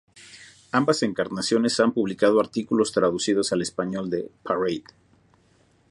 Ambas encarnaciones han publicado artículos traducidos al español de "Parade".